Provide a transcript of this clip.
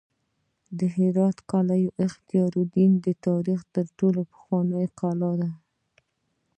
د هرات قلعه اختیارالدین د تاریخ تر ټولو پخوانۍ کلا ده